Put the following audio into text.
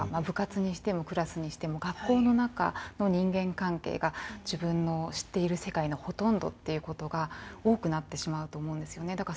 部活にしてもクラスにしても学校の中の人間関係が自分の知っている世界のほとんどっていうことが多くなってしまうと思うんですよね。